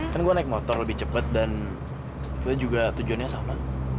kan gue naik motor lebih cepat dan gue juga tujuannya sama